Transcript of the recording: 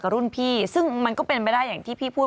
รุ่นพี่ซึ่งมันก็เป็นไปได้อย่างที่พี่พูด